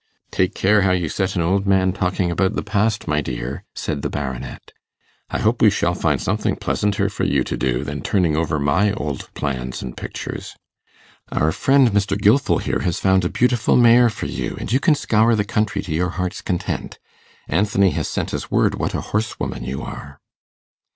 'Take care how you set an old man talking about the past, my dear,' said the Baronet; 'I hope we shall find something pleasanter for you to do than turning over my old plans and pictures. Our friend Mr. Gilfil here has found a beautiful mare for you and you can scour the country to your heart's content. Anthony has sent us word what a horsewoman you are.